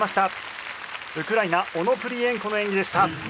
ウクライナオノプリエンコの演技でした。